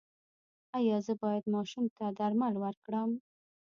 ایا زه باید ماشوم ته درمل ورکړم؟